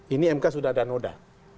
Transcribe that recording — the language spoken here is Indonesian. ini mk sudah ada noda